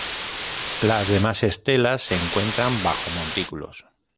Las demás estelas se encuentran bajo Montículos.